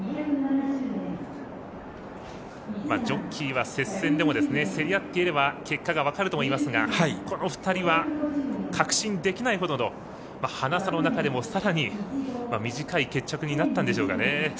ジョッキーは、接戦でも競り合っていれば結果が分かるといいますがこの２人は確信できないほどのハナ差の中でも、さらに短い決着になったんでしょうかね。